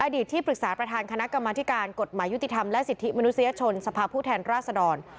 ที่ปรึกษาประธานคณะกรรมธิการกฎหมายยุติธรรมและสิทธิมนุษยชนสภาพผู้แทนราษดร